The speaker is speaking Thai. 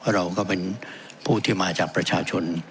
เราก็เป็นผู้ที่มาจากประชาชน